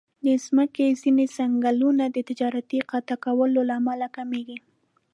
د مځکې ځینې ځنګلونه د تجارتي قطع کولو له امله کمېږي.